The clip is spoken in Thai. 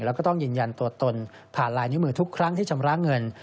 แล้วก็ต้องยืนยันตัวตนผ่านลายนิ้วมือทุกครั้งที่ชำระเงิน